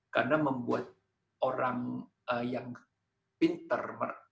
karena membuat orang yang pinter